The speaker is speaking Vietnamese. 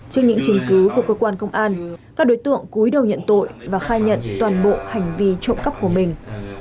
trên những trình cứu của cơ quan công an các đối tượng cúi đầu nhận tội và khai nhận toàn bộ hành vi trộm cắp của mình